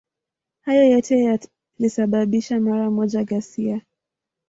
Hayo yote yalisababisha mara moja ghasia.